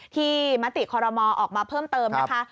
มติคอรมอออกมาเพิ่มเติมนะคะ